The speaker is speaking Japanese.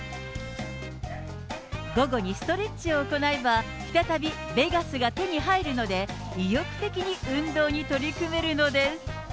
午後にストレッチを行えば、再びベガスが手に入るので、意欲的に運動に取り組めるのです。